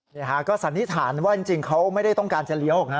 นี่ฮะก็สันนิษฐานว่าจริงเขาไม่ได้ต้องการจะเลี้ยวนะ